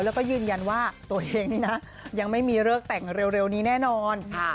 แล้วก็ยืนยันว่าตัวเองนี่นะยังไม่มีเลิกแต่งเร็วนี้แน่นอน